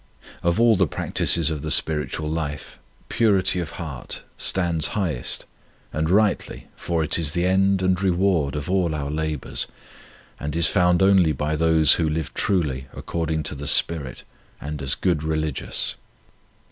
Of all the practices of the spir itual life purity of heart stands highest, and rightly, for it is the end and reward of all our labours, and is found only with those who live truly according to the spirit and as good religious.